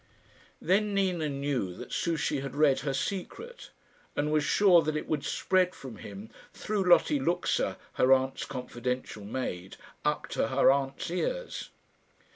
Then Nina knew that Souchey had read her secret, and was sure that it would spread from him through Lotta Luxa, her aunt's confidential maid, up to her aunt's ears.